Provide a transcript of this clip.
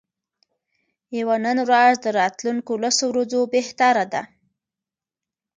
یوه نن ورځ د راتلونکو لسو ورځو بهتره ده.